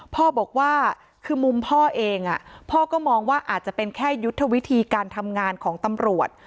พ่อบอกว่าคือมุมพ่อเองพ่อก็มองว่าอาจจะเป็นแค่ยุทธวิธีการทำงานของตำรวจ